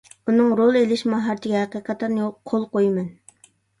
ئۇنىڭ رول ئېلىش ماھارىتىگە ھەقىقەتەن قول قويىمەن.